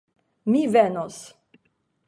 Mi venos!